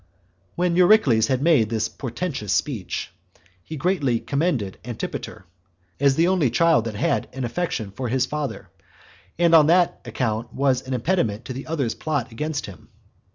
3. When Eurycles had made this portentous speech, he greatly commended Antipater, as the only child that had an affection for his father, and on that account was an impediment to the other's plot against him.